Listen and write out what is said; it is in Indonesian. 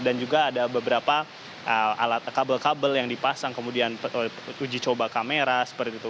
dan juga ada beberapa alat kabel kabel yang dipasang kemudian uji coba kamera seperti itu